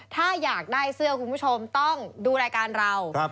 ถ้าอยากได้เสื้อคุณผู้ชมต้องดูรายการเรา